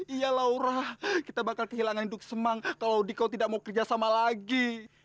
iya laura kita bakal kehilangan hidup semang kalau diko tidak mau kerja sama lagi